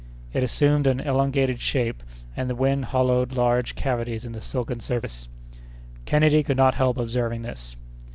It assumed an elongated shape, and the wind hollowed large cavities in the silken surface. Kennedy could not help observing this.